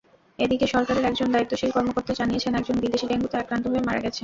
এদিকে সরকারের একজন দায়িত্বশীল কর্মকর্তা জানিয়েছেন, একজন বিদেশি ডেঙ্গুতে আক্রান্ত হয়ে মারা গেছেন।